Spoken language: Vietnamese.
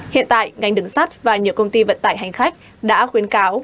hiện tại ngành đứng sắt và nhiều công ty vận tải hành khách đã khuyến cáo